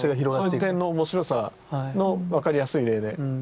そういう点の面白さの分かりやすい例で。